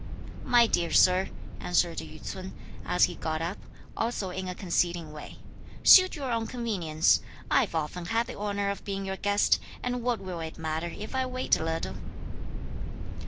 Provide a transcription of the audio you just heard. "My dear Sir," answered Yü ts'un, as he got up, also in a conceding way, "suit your own convenience. I've often had the honour of being your guest, and what will it matter if I wait a little?"